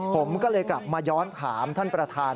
ผมก็เลยกลับมาย้อนถามท่านประธาน